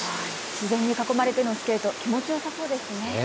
自然に囲まれてのスケート、気持ちよさそうですね。